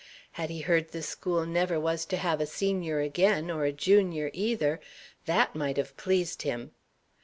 Had he heard the school never was to have a senior again, or a junior either, that might have pleased him.